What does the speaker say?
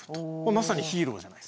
まさにヒーローじゃないですか。